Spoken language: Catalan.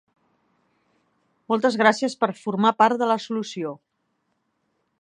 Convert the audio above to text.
Moltes gràcies per formar part de la solució!